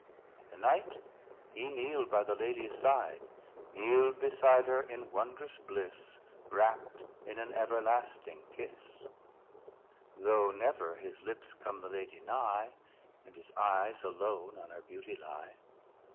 But the knight he kneeled by the lady's side; Kneeled beside her in wondrous bliss, Rapt in an everlasting kiss: Though never his lips come the lady nigh, And his eyes alone on her beauty lie.